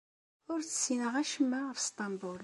Ur tessineɣ acemma ɣef Isṭanbul.